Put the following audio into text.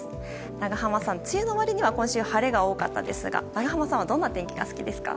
長濱さん、梅雨の割には今週、晴れが多かったですが長濱さんはどんな天気が好きですか？